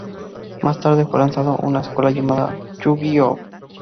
Más tarde, fue lanzada una secuela llamada Yu-Gi-Oh!